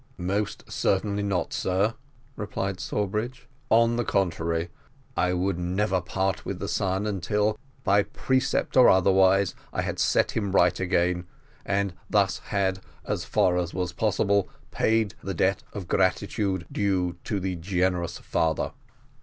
"Most certainly not, sir," replied Sawbridge; "on the contrary, I would never part with the son until, by precept or otherwise, I had set him right again, and thus had, as far as it was possible, paid the debt of gratitude due to the generous father."